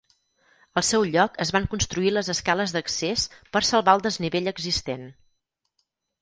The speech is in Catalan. Al seu lloc es van construir les escales d'accés per salvar el desnivell existent.